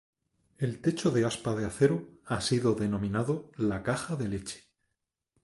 El techo de aspa de acero ha sido denominado "la caja de leche".